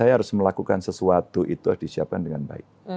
saya harus melakukan sesuatu itu harus disiapkan dengan baik